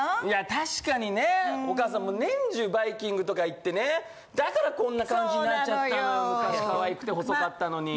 いや確かにね、お母さん、もう年中、バイキングとか行ってね、だからこんな感じになっちゃったの。